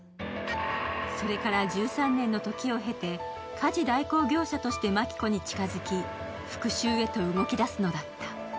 それから１３年の時を経て家事代行業者として真希子に近づき復しゅうへと動き出すのだった。